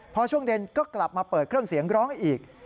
พอช่วงเย็นก็กลับมาเปิดเครื่องเสียงร้องอีก